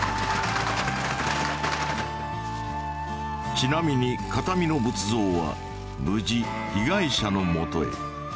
ちなみに形見の仏像は無事被害者のもとへ。